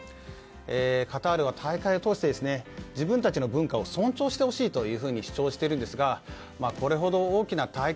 カタールは大会を通して自分たちの文化を尊重してほしいと主張しているんですがこれほど大きな大会